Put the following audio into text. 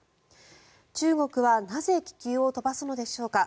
中国は、なぜ気球を飛ばすのでしょうか。